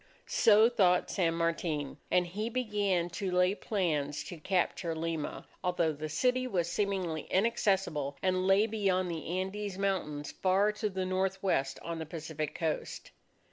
So thought San Martin; and he began to lay plans to capture Lima, although the city was seemingly inaccessible and lay beyond the Andes Mountains far to the northwest on the Pacific Coast.